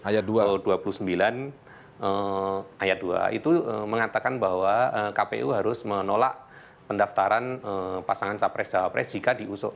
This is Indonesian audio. ayat dua puluh sembilan ayat dua itu mengatakan bahwa kpu harus menolak pendaftaran pasangan capres capres jika diusung